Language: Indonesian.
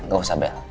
gak usah bel